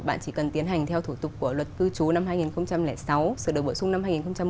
bạn chỉ cần tiến hành theo thủ tục của luật cư trú năm hai nghìn sáu sửa đổi bổ sung năm hai nghìn một mươi